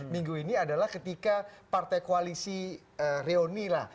minggu ini adalah ketika partai koalisi reuni lah